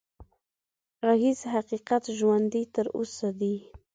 غږېږه حقيقت ژوندی تر اوسه دی